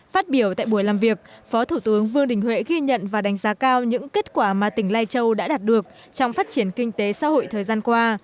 phát biểu tại buổi làm việc phó thủ tướng vương đình huệ ghi nhận và đánh giá cao những kết quả mà tỉnh lai châu đã đạt được trong phát triển kinh tế xã hội thời gian qua